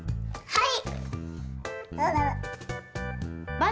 はい！